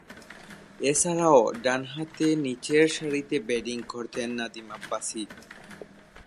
এছাড়াও, ডানহাতে নিচেরসারিতে ব্যাটিং করতেন নাদিম আব্বাসি।